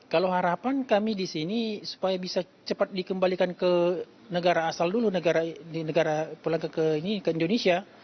kalau harapan kami di sini supaya bisa cepat dikembalikan ke negara asal dulu negara pulang ke indonesia